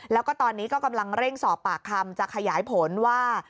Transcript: แล้วก็ตอนนี้ก็กำลังเร่งสอบปากคำจะขยายผลว่า